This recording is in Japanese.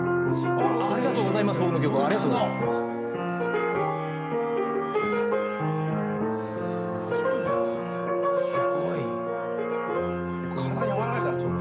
ありがとうございます。